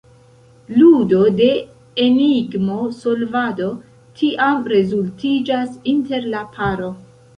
Ludo de enigmo-solvado tiam rezultiĝas inter la paro.